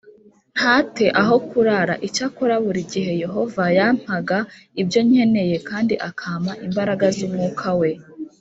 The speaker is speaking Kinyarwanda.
nta te aho kurara Icyakora buri gihe Yehova yampaga ibyo nkeneye kandi akampa imbaraga z umwuka we